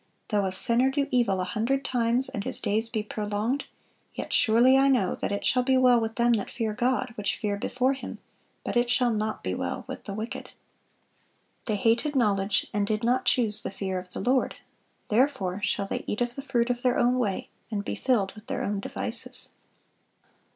"Though a sinner do evil a hundred times, and his days be prolonged, yet surely I know that it shall be well with them that fear God, which fear before Him: but it shall not be well with the wicked."(420) "They hated knowledge, and did not choose the fear of the Lord;" "therefore shall they eat of the fruit of their own way, and be filled with their own devices."